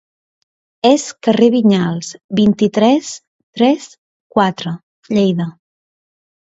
És carrer Vinyals, vint-i-tres, tres-quatre, Lleida.